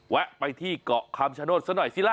แวะไปที่เกาะคำชโนธซะหน่อยสิล่ะ